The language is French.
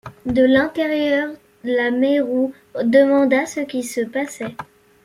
De l'intérieur, la Mairu demanda ce qui se passait.